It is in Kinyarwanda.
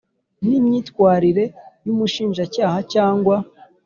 n imyitwarire y Umushinjacyaha cyangwa